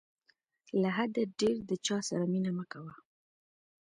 له حده ډېر د چاسره مینه مه کوه.